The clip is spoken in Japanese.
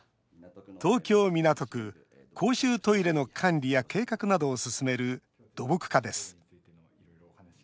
東京・港区、公衆トイレの管理や計画などを進める土木課です。